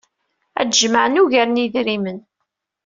Ad tjemɛem ugar n yedrimen.